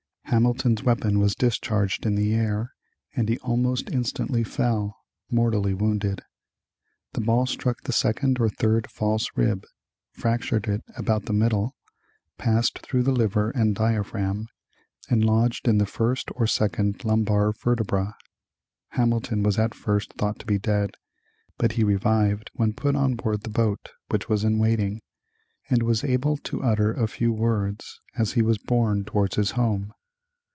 Hamilton's weapon was discharged in the air, and he almost instantly fell, mortally wounded. The ball struck the second or third false rib, fractured it about the middle, passed through the liver and diaphragm, and lodged in the first or second lumbar vertebra. Hamilton was at first thought to be dead, but he revived when put on board the boat which was in waiting, and was able to utter a few words as he was borne towards his home.